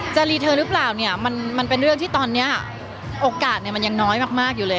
จะรีเทอร์หรือเปล่าอย่างน้อย